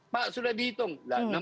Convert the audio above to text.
pak sudah dihitung